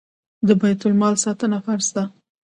د بیت المال ساتنه فرض ده